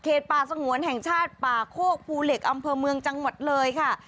ป่าสงวนแห่งชาติป่าโคกภูเหล็กอำเภอเมืองจังหวัดเลยค่ะ